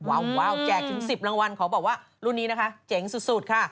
ว้าวแจกถึง๑๐รางวัลขอบอกว่ารุ่นนี้นะคะเจ๋งสุดค่ะ